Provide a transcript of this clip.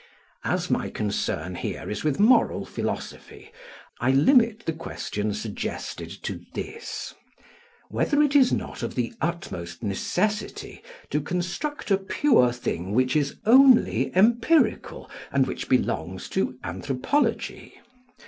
As my concern here is with moral philosophy, I limit the question suggested to this: Whether it is not of the utmost necessity to construct a pure thing which is only empirical and which belongs to anthropology?